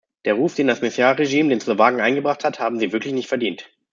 Der Ruf, den das Meciar-Regime den Slowaken eingebracht hat, haben sie wirklich nicht verdient.